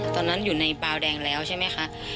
ตอนนั้นอยู่ในบาวแดงแล้วใช่ไหมคะ